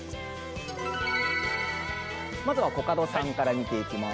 まずはコカドさんから見ていきます。